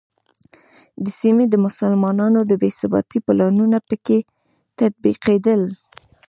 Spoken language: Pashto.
د سیمې د مسلمانانو د بې ثباتۍ پلانونه په کې تطبیقېدل.